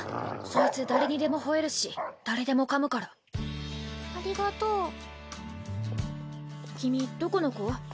そいつ誰にでもほえるし誰でもかむからありがとう君どこの子？